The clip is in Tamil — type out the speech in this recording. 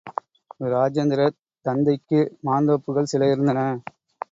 இரோஜேந்திரர் தந்தைக்கு மாந்தோப்புகள் சில இருந்தன.